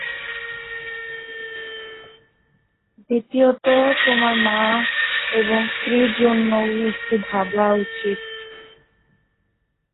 দ্বিতীয়ত তোমার মা এবং স্ত্রীর জন্যও একটু ভাবা উচিত।